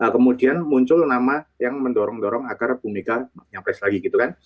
kemudian muncul nama yang mendorong dorong agar bu mega nyapres lagi gitu kan